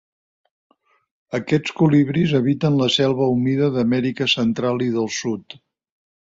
Aquests colibrís habiten la selva humida d'Amèrica Central i del Sud.